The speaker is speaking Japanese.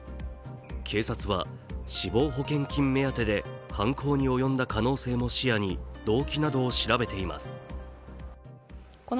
警察は死亡保険金目当てで犯行に及んだ可能性も視野に動機などを調べています。